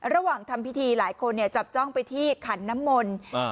ระหว่างทำพิธีหลายคนจับจ้องไปที่ขันน้ำมน